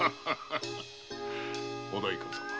お代官様。